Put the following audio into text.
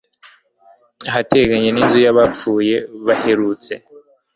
ahateganye n'inzu y'abapfuye baherutse